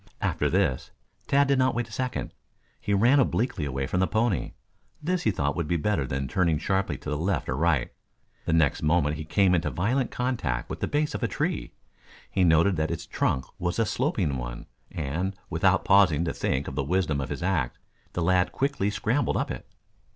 After this, Tad did not wait a second. He ran obliquely away from the pony. This he thought would be better than turning sharply to the left or right. The next moment he came into violent contact with the base of a tree. He noted that it's trunk was a sloping one, and without pausing to think of the wisdom of his act, the lad quickly scrambled up it.